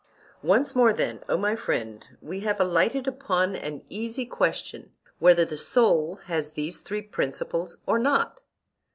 Once more then, O my friend, we have alighted upon an easy question—whether the soul has these three principles or not?